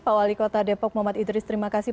pak wali kota depok muhammad idris terima kasih